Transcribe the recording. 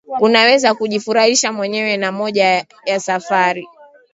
Unaweza kujifurahisha mwenyewe na moja ya safari